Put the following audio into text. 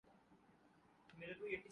فیصد تبدیلی سال کے اختتام سے ہے